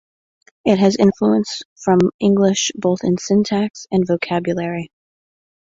It has influence from English both in syntax and vocabulary.